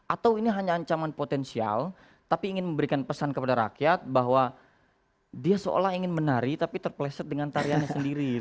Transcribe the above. atau ini hanya ancaman potensial tapi ingin memberikan pesan kepada rakyat bahwa dia seolah ingin menari tapi terpleset dengan tariannya sendiri